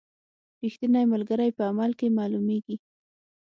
رښتینی ملګری په عمل کې معلومیږي.